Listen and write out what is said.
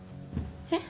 えっ？